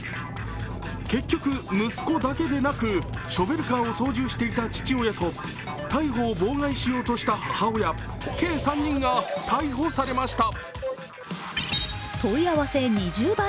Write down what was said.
結局、息子だけでなくショベルカーを操縦していた父親と逮捕を妨害しようとした母親計３人が逮捕されました。